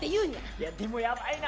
いやでもやばいな。